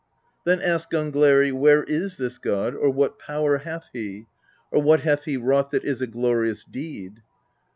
Then asked Gangleri :" Where is this god, or what power hath he, or what hath he wrought that is a glori ous deed?"